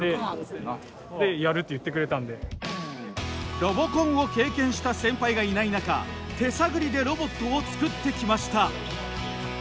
ロボコンを経験した先輩がいない中手探りでロボットを作ってきました。